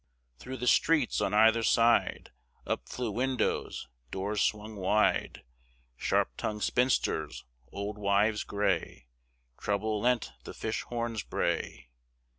Through the street, on either side, Up flew windows, doors swung wide; Sharp tongued spinsters, old wives gray, Treble lent the fish horn's bray.